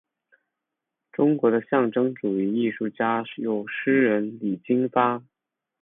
中国的象征主义艺术家有诗人李金发。